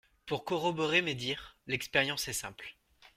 Pour corroborer mes dires, l’expérience est simple.